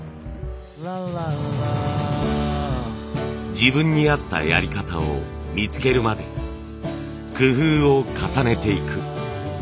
自分に合ったやり方を見つけるまで工夫を重ねていく。